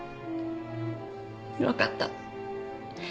わかった。